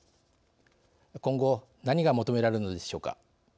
今後、何が求められるのでしょうか。